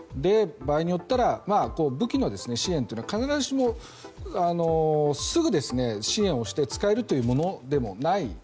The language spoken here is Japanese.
場合によっては武器の支援というのは必ずしもすぐ支援をして使えるというものでもない。